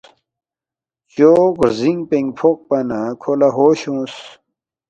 چوق رزِنگ پِنگ فوقپا نہ کھو لہ ہوش اونگس